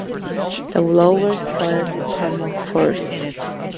The lower soil is permafrost.